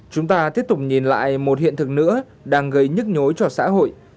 chúng ta tiếp tục nhìn lại một hiện thực nữa đang gây nhức nhối cho xã hội